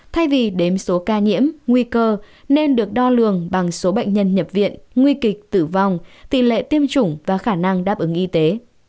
thay vì đếm số ca nhiễm nguy cơ nên được đo lường bằng số bệnh nhân nhập viện nguy kịch tử vong tỷ lệ tiêm chủng và khả năng đáp ứng y tế